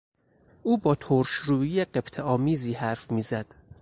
او با ترشرویی غبطهآمیزی حرف میزد.